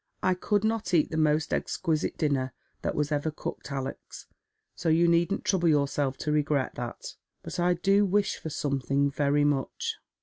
" I could not eat the most exquisite dinner that was ever cooked, Alex, so you needn't trouble yourself to regret that. But I do wish for something, very much."